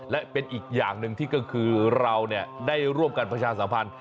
และเป็นอีกอย่างหนึ่งที่ก็คือเราได้ร่วมกันประชาสัมพันธ์